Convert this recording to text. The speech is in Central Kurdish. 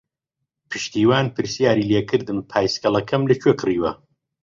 پشتیوان پرسیاری لێ کردم پایسکلەکەم لەکوێ کڕیوە.